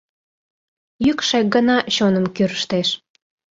Йӱкшӧ гына чоным кӱрыштеш.